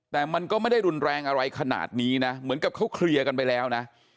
แต่มันก็ไม่ได้รุนแรงอะไรขนาดนี้นะเหมือนกับเขาเคลียร์กันไปแล้วนะ